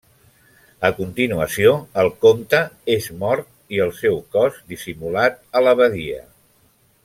A continuació el comte és mort i el seu cos dissimulat a la badia.